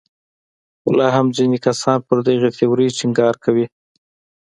خو لا هم ځینې کسان پر دغې تیورۍ ټینګار کوي.